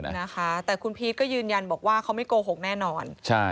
นะคะแต่คุณพีชก็ยืนยันบอกว่าเขาไม่โกหกแน่นอนใช่